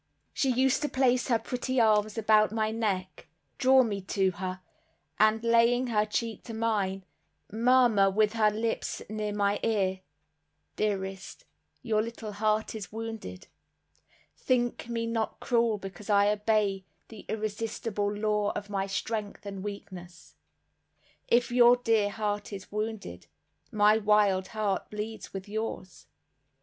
She used to place her pretty arms about my neck, draw me to her, and laying her cheek to mine, murmur with her lips near my ear, "Dearest, your little heart is wounded; think me not cruel because I obey the irresistible law of my strength and weakness; if your dear heart is wounded, my wild heart bleeds with yours.